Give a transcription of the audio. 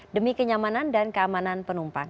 demi kenyamanan dan keamanan penumpang